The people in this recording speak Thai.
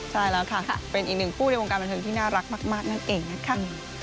ใช่แล้วค่ะเป็นอีกหนึ่งคู่ในวงการบันเทิงที่น่ารักมากนั่นเองนะคะ